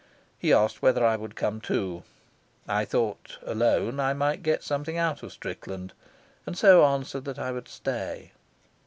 He asked whether I would come too. I thought, alone, I might get something out of Strickland, and so answered that I would stay.